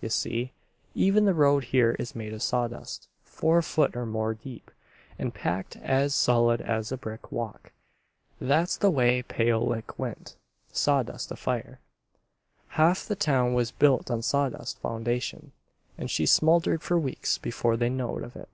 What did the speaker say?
Ye see, even the road here is made of sawdust, four foot or more deep and packed as solid as a brick walk. That's the way Pale Lick went, sawdust afire. Ha'f the town was built on sawdust foundation an' she smouldered for weeks before they knowed of it.